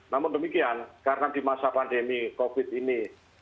namun demikian karena di masa pandemi covid ini